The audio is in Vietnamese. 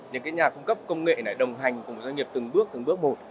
những nhà cung cấp công nghệ này đồng hành cùng doanh nghiệp từng bước từng bước một